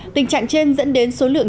tình trạng trên dẫn đến số lượng